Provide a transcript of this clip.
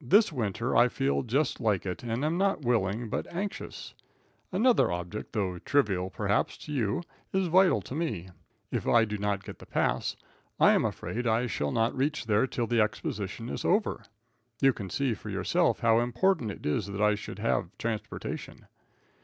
This winter I feel just like it, and am not willing, but anxious. Another object, though trivial, perhaps, to you, is vital to me. If I do not get the pass, I am afraid I shall not reach there till the exposition is over. You can see for yourself how important it is that I should have transportation.